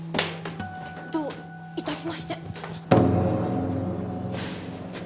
どういたしまして。